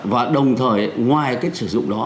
và đồng thời ngoài cái sử dụng đó